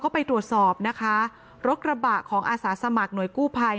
ก็ไปตรวจสอบนะคะรถกระบะของอาสาสมัครหน่วยกู้ภัย